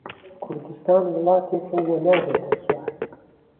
کوردستان وڵاتێکە و نابێتە چوار